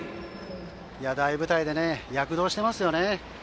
大舞台で躍動してますよね。